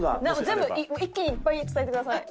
全部一気にいっぱい伝えてください。